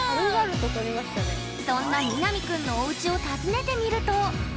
そんな、みなみ君のおうちを訪ねてみると。